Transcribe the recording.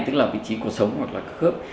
tức là vị trí cuộc sống hoặc là khớp